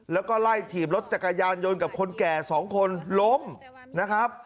แล้วก็ไล่ถีบรถจักรยานยนต์กับคนแก่สองคนล้มนะครับ